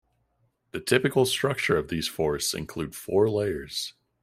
The typical structure of these forests includes four layers.